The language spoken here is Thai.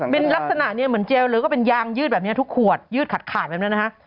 เป็นลักษณะเนี่ยเหมือนเจลหรือก็เป็นยางยืดแบบนี้ทุกขวดยืดขาดขาดแบบนั้นนะฮะ